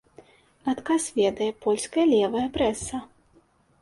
Адказ ведае польская левая прэса.